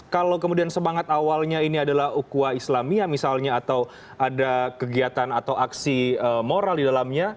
kalau kemudian semangat awalnya ini adalah ukuah islamia misalnya atau ada kegiatan atau aksi moral di dalamnya